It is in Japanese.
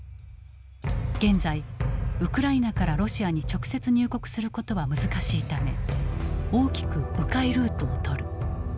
現在ウクライナからロシアに直接入国することは難しいため大きく迂回ルートをとる。